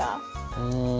うん。